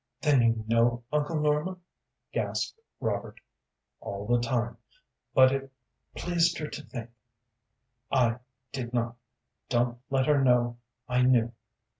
"Then you know, Uncle Norman," gasped Robert. "All the time, but it pleased her to think I did not. Don't let her know I knew.